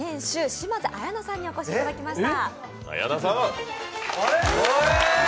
島津綾那さんにお越しいただきました。